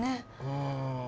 うん。